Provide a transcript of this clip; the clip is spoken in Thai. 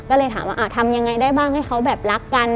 ก็เลยถามว่าทำยังไงได้บ้างให้เขาแบบรักกัน